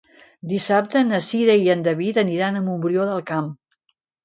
Dissabte na Cira i en David aniran a Montbrió del Camp.